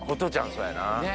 そうやな。